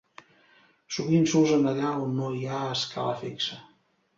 Sovint s'usen allà on no hi ha escala fixa.